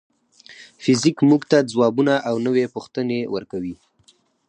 فزیک موږ ته ځوابونه او نوې پوښتنې ورکوي.